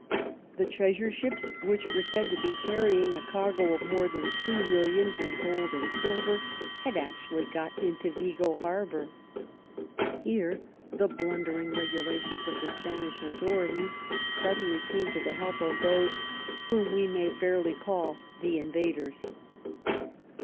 The treasure ships, which were said to be carrying a cargo of more than three millions in gold and silver, had actually got into Vigo Harbor. Here the blunder ing regulations of the Spanish authorities suddenly came to the help of those whom we may fairly call the invaders.